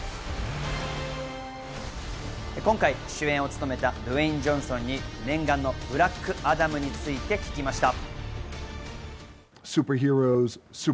今回、主演を務めたドウェイン・ジョンソンに念願の『ブラックアダム』について聞きました。